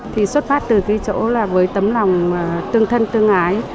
thì xuất phát từ cái chỗ là với tấm lòng tương thân tương ái